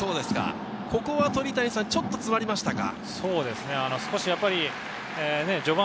ここはちょっと詰まりましたか？